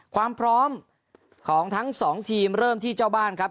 ความพร้อมของทั้งสองทีมเริ่มที่เจ้าบ้านครับ